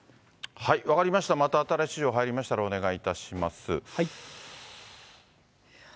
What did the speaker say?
分かりました、また新しい情報が入りましたらお願いいたします。